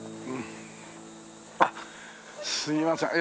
あっすいません。